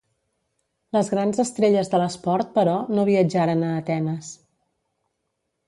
Les grans estrelles de l'esport, però, no viatjaren a Atenes.